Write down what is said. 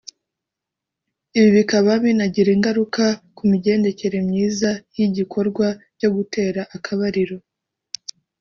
ibi bikaba binagira ingaruka ku migendekere myiza y’igikorwa cyo gutera akabariro